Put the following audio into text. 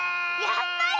やっぱり！